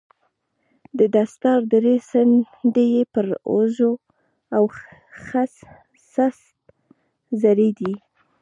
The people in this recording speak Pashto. د دستار درې څنډې يې پر اوږو او څټ ځړېدې.